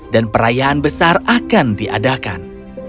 dan perayaan besar akan diadakan